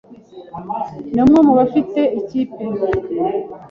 ni umwe mu befite ikipe